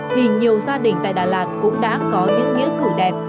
thì nhiều gia đình tại đà lạt cũng đã có những nghĩa cử đẹp